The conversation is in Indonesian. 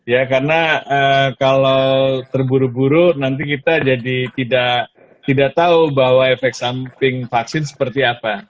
ya karena kalau terburu buru nanti kita jadi tidak tahu bahwa efek samping vaksin seperti apa